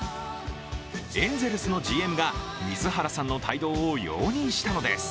エンゼルスのＧＭが水原さんの帯同を容認したのです。